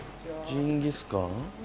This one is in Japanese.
ジンギスカン。